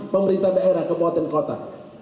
lima ratus enam pemerintah daerah kebawatan kota